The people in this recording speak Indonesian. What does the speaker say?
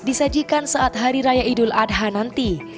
disajikan saat hari raya idul adha nanti